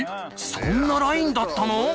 そんなラインだったの？